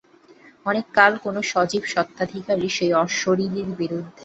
অনেককাল কোনো সজীব স্বত্বাধিকারী সেই অশরীরীর বিরুদ্ধে আপন দাবি স্থাপনের চেষ্টামাত্র করে নি।